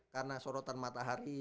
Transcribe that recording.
karena sorotan matahari